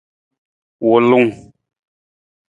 Wulung.